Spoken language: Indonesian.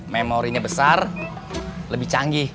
memorinya besar lebih canggih